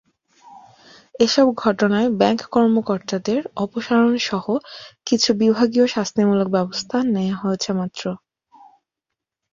এসব ঘটনায় ব্যাংক কর্মকর্তাদের অপসারণসহ কিছু বিভাগীয় শাস্তিমূলক ব্যবস্থা নেওয়া হয়েছে মাত্র।